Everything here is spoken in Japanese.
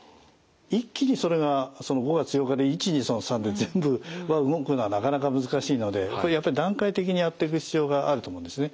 一気にそれが５月８日で１２の３で全部動くのはなかなか難しいので段階的にやっていく必要があると思うんですね。